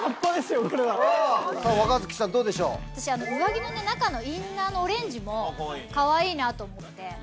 私上着の中のインナーのオレンジもかわいいなと思って。